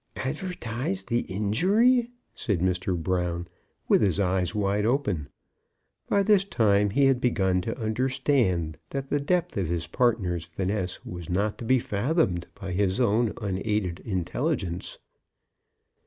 "Advertise the injury," said Mr. Brown, with his eyes wide open. By this time he had begun to understand that the depth of his partner's finesse was not to be fathomed by his own unaided intelligence.